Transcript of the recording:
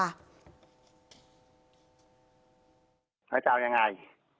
พระเจ้ายังไง